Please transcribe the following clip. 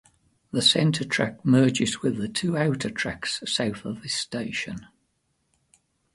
The center track merges with the two outer tracks south of this station.